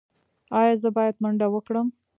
ایا زه باید منډه وکړم؟